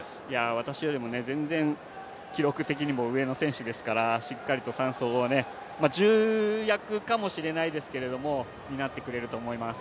私よりも全然記録的にも上の選手ですから、しっかりと３走を、重役かもしれないですけれども、担ってくれると思います。